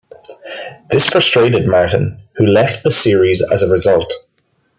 This frustrated Martin, who left the series as a result.